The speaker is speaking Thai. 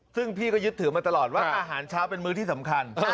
ซึ่งพี่ก็ยึดถือมาตลอดว่าอาหารเช้าเป็นมื้อที่สำคัญ